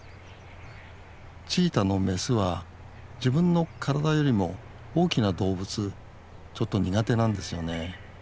チーターのメスは自分の体よりも大きな動物ちょっと苦手なんですよね。